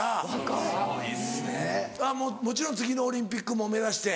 もちろん次のオリンピックも目指して。